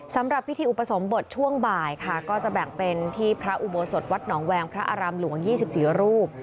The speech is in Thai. สำหรับพิธีอุปสมบทช่วงบ่ายค่ะก็จะแบ่งเป็นที่พระอุโบสถวัดหนองแวงพระอารามหลวง๒๔รูป